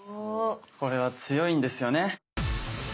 これは強いんですよね？